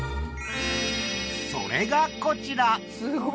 それがこちら！